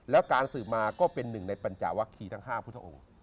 แล้วการสืบมาก็เป็นหนึ่งในปัญจาวัคคีทั้ง๕พุทธองค์